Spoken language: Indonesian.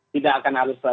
tidak akan harus